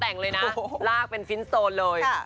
แต่งเลยนะลากเป็นฟินโซนเลย